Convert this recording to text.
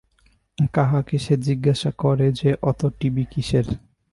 কাহাকে সে জিজ্ঞাসা করে যে অত টিবি কিসের?